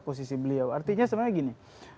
posisi beliau artinya sebenarnya gini